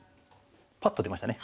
パッと出ましたね。